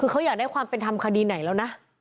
คือเขาอยากได้ความเป็นธรรมคดีไหนแล้วนะ